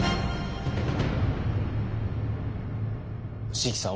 椎木さん